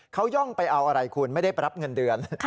เขาย่องไปเอาอะไรคุณไม่ได้ไปรับเงินเดือน